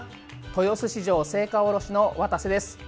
豊洲市場青果卸の渡瀬です。